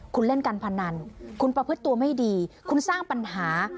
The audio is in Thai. คุณเล่นการพนันคุณประพฤติตัวไม่ดีคุณสร้างปัญหา